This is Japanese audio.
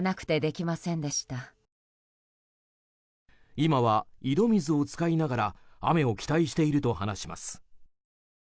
今は井戸水を使いながら雨を期待していると話します。